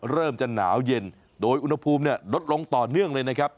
เริ่มจะหนาวเย็นโดยอุณหภูมิเนี่ยลดลงต่อเนื่องเลยนะครับ